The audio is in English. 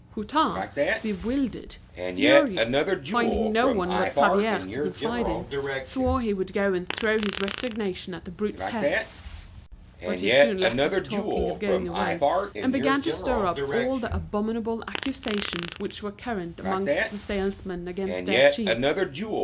Hutin, bewildered, furious, finding no one but Favier to confide in, swore he would go and throw his resignation at the brute's head. But he soon left off talking of going away, and began to stir up all the abominable accusations which were current amongst the salesmen against their chiefs.